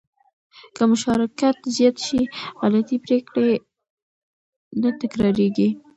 که مشارکت زیات شي، غلطې پرېکړې نه تکرارېږي.